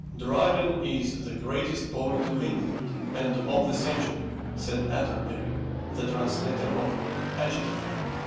"Dryden is the greatest poet of England, and of the century," said Atterbury, the translator of "Achitophel."